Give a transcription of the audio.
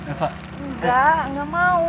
enggak enggak mau